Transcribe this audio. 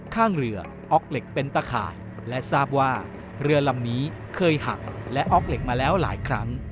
ข้างเรือออกเหล็กเป็นตะข่ายและทราบว่าเรือลำนี้เคยหักและออกเหล็กมาแล้วหลายครั้ง